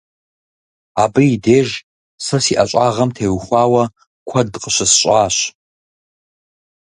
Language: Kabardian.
Абы и деж си ӀэщӀагъэм теухуауэ куэд къыщысщӀащ.